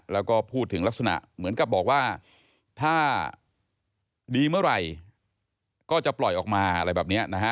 แล้วก็พูดถึงลักษณะเหมือนกับบอกว่าถ้าดีเมื่อไหร่ก็จะปล่อยออกมาอะไรแบบนี้นะฮะ